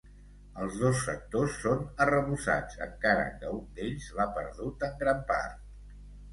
Els dos sectors són arrebossats, encara que un d'ells l'ha perdut en gran part.